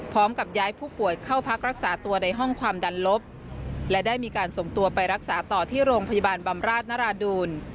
พร้อมกับย้ายผู้ป่วยเข้าพักรักษาตัวในห้องความดันลบและได้มีการส่งตัวไปรักษาต่อที่โรงพยาบาลบำราชนราดูล